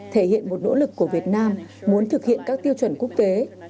thể hiện một nỗ lực của việt nam muốn thực hiện các tiêu chuẩn quốc tế